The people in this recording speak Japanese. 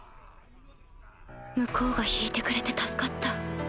向こうが引いてくれて助かった